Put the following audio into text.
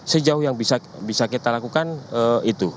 sejauh yang bisa kita lakukan itu